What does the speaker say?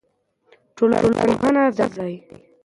ټولنپوهنه زده کړئ.